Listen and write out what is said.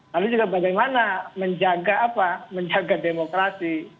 lalu juga bagaimana menjaga apa menjaga demokrasi